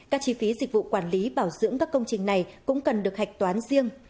các chi phí dịch vụ quản lý bảo dưỡng các công trình này cũng cần được hạch toán riêng